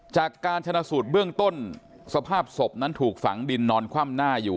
จากการชนะสูตรเบื้องต้นสภาพศพนั้นถูกฝังดินนอนคว่ำหน้าอยู่